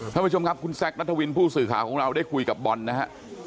ท่านผู้ชมครับคุณแซคนัทวินผู้สื่อข่าวของเราได้คุยกับบอลนะฮะ